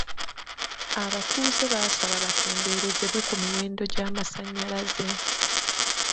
Abatuuze baasaba bakendereezebwe ku miwendo gy'amasanyalaze.